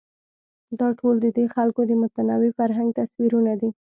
دا ټول ددې خلکو د متنوع فرهنګ تصویرونه دي.